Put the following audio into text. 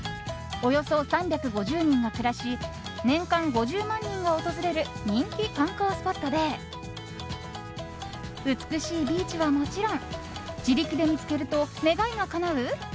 およそ３５０人が暮らし年間５０万人が訪れる人気観光スポットで美しいビーチはもちろん自力で見つけると願いがかなう？